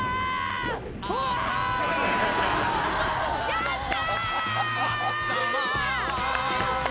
やった！